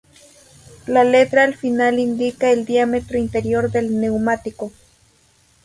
La letra al final indica el diámetro interior del neumático.